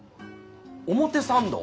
表参道？